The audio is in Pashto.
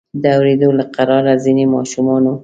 د اوریدو له قراره ځینې ماشومانو.